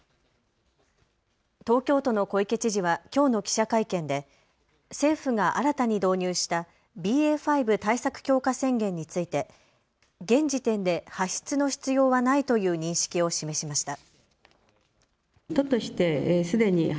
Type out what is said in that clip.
東京都の小池知事はきょうの記者会見で政府が新たに導入したＢＡ．５対策強化宣言について現時点で発出の必要はないという認識を示しました。